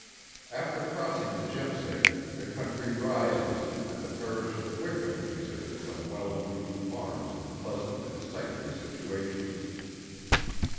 After crossing the Jemseg, the country rises, and the Parish of Wickham exhibits some well improved farms in pleasant and sightly situations.